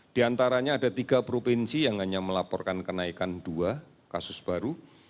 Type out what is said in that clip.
di antaranya ada tiga provinsi yang hanya melaporkan kenaikan dua kasus baru